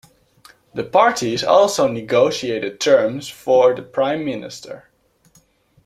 The parties also negotiated terms for the prime minister.